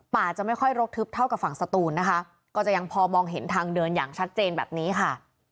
จะไม่ค่อยรกทึบเท่ากับฝั่งสตูนนะคะก็จะยังพอมองเห็นทางเดินอย่างชัดเจนแบบนี้ค่ะ